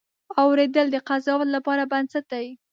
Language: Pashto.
اورېدل د قضاوت لپاره بنسټ دی.